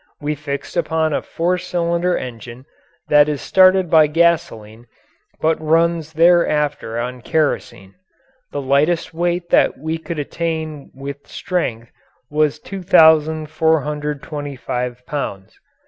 We fixed upon a four cylinder engine that is started by gasoline but runs thereafter on kerosene. The lightest weight that we could attain with strength was 2,425 pounds.